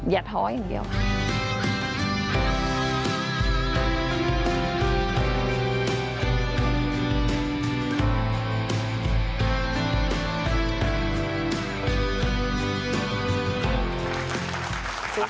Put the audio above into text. อย่าท้ออย่างเดียวค่ะ